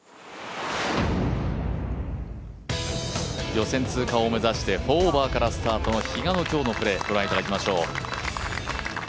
予選通過を目指して４オーバーからスタートの比嘉の今日のプレー、ご覧いただきましょう。